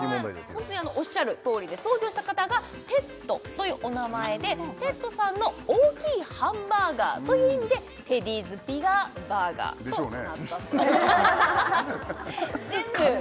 ホントにおっしゃるとおりで創業した方がテッドというお名前でテッドさんの大きいハンバーガーという意味でテディーズビガーバーガーとなったそうですでしょうね